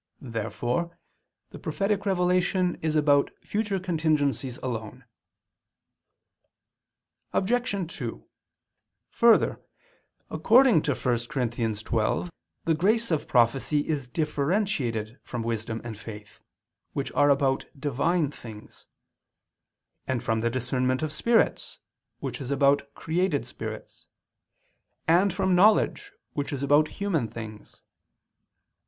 Therefore the prophetic revelation is about future contingencies alone. Obj. 2: Further, according to 1 Cor. 12, the grace of prophecy is differentiated from wisdom and faith, which are about Divine things; and from the discernment of spirits, which is about created spirits; and from knowledge, which is about human things.